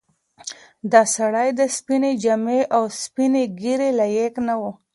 دا سړی د سپینې جامې او سپینې ږیرې لایق نه و.